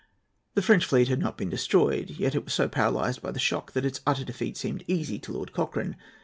The French fleet had not been destroyed; yet it was so paralysed by the shock that its utter defeat seemed easy to Lord Cochrane.